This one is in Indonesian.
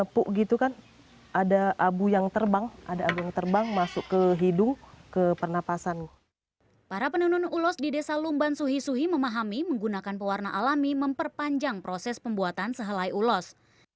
para penenun ulos di desa lumban suhi suhi memahami menggunakan pewarna alami memperpanjang proses pembuatan sehelai ulos